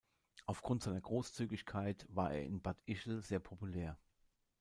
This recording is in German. Aufgrund seiner Großzügigkeit war er in Bad Ischl sehr populär.